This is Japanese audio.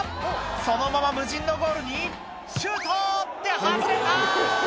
そのまま無人のゴールにシュート！って外れた！